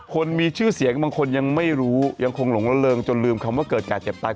คนมีชื่อเสียงบางคนยังไม่รู้ยังคงหลงละเริงจนลืมคำว่าเกิดการเจ็บตาย